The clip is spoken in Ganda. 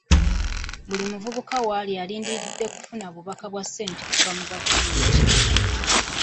Buli muvubuka waali alindiridde kufuna bubaka bwa sente okuva mu gavumenti.